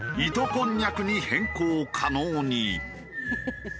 こんにゃくに変更可能に。